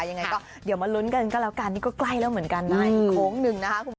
ยังไงก็เดี๋ยวมาลุ้นกันก็แล้วกันนี่ก็ใกล้แล้วเหมือนกันนะอีกโค้งหนึ่งนะคะคุณผู้ชม